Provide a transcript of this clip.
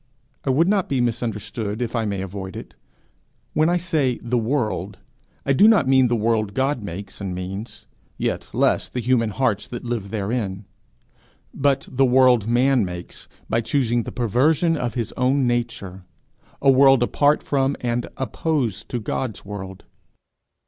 I would not be misunderstood if I may avoid it: when I say the world, I do not mean the world God makes and means, yet less the human hearts that live therein; but the world man makes by choosing the perversion of his own nature a world apart from and opposed to God's world.